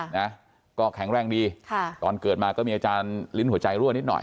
นะก็แข็งแรงดีค่ะตอนเกิดมาก็มีอาจารย์ลิ้นหัวใจรั่วนิดหน่อย